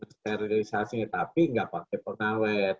sterilisasinya tapi enggak pakai pengawet